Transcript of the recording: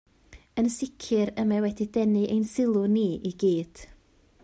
Yn sicr y mae wedi denu ein sylw ni i gyd